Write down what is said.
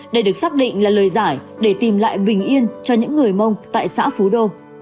đây được xác định là lời giải để tìm lại bình yên cho những người mông tại xã phú đô